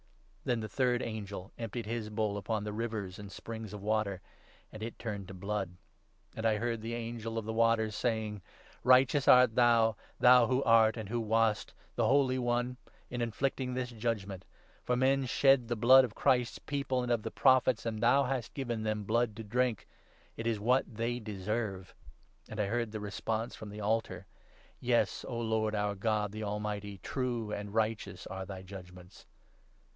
Then the third angel emptied his bowl upon the rivers and 4 springs of water ; and it turned to blood. And I heard 5 the Angel of the Waters saying —' Righteous art thou, thou who art and who wast, the Holy One, in inflicting this judge ment ; for men shed the blood of Christ's People and of the 6 Prophets, and thou hast given them blood to drink. It is what they deserve.' And I heard the response from the 7 altar —' Yes, O Lord, our God, the Almighty, true and righteous are thy judgements.'